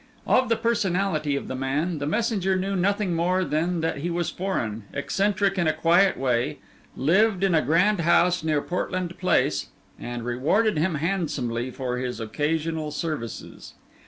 Of the personality of the man the messenger knew nothing more than that he was foreign, eccentric in a quiet way, lived in a grand house near Portland Place, and rewarded him handsomely for his occasional services.